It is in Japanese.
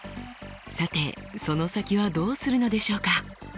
さてその先はどうするのでしょうか？